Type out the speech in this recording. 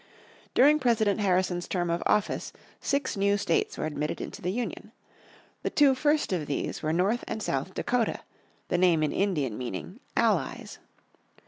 During President Harrison's term of office six new states were admitted into the Union. The two first of these were North and South Dakota, the name in Indian meaning "allies."